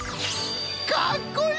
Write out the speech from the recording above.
かっこいい！